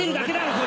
それ。